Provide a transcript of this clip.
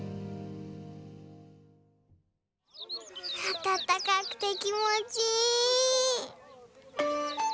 あたたかくてきもちいい。